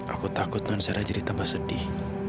aku takut tuhan sarah jadi tambah sedih